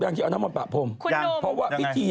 แอสเด่นเนี้ย